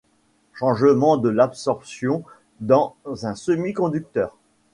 Changement de l'absorption dans un semi-conducteur.